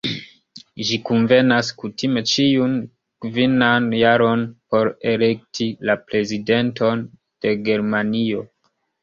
Ĝi kunvenas kutime ĉiun kvinan jaron por elekti la Prezidenton de Germanio.